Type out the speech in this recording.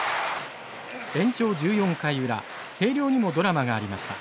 延長１４回裏星稜にもドラマがありました。